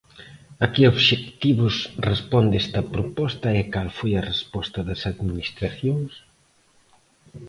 A que obxectivos responde esta proposta e cal foi a resposta das Administracións?